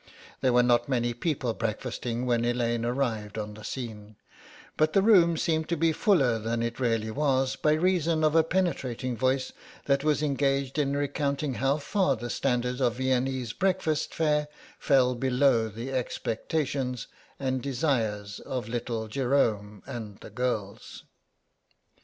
There were not many people breakfasting when Elaine arrived on the scene, but the room seemed to be fuller than it really was by reason of a penetrating voice that was engaged in recounting how far the standard of Viennese breakfast fare fell below the expectations and desires of little Jerome and the girls.